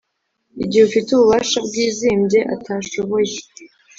Igihe ufite ububasha bwizimbye atashoboye